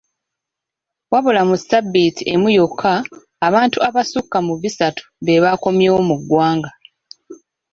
Wabula mu sabbiiti emu yokka, abantu abasukka mu bisatu be baakomyewo mu ggwanga.